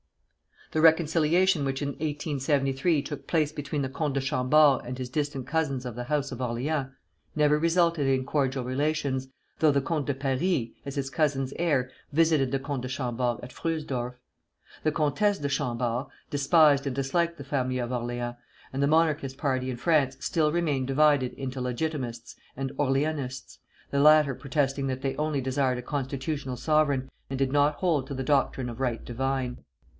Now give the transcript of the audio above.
The reconciliation which in 1873 took place between the Comte de Chambord and his distant cousins of the house of Orleans never resulted in cordial relations, though the Comte de Paris, as his cousin's heir, visited the Comte de Chambord at Fröhsdorf. The Comtesse de Chambord despised and disliked the family of Orleans, and the Monarchist party in France still remained divided into Legitimists and Orleanists, the latter protesting that they only desired a constitutional sovereign, and did not hold to the doctrine of right divine.